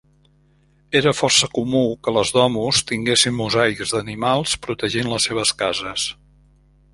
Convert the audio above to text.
Era força comú que les domus tinguessin mosaics d'animals protegint les seves cases.